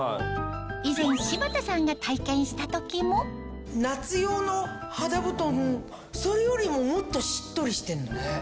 以前柴田さんが体験した時も夏用の肌ぶとんそれよりももっとしっとりしてんの。